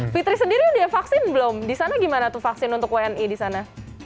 fitri sendiri udah vaksin belum di sana gimana tuh vaksin untuk wni di sana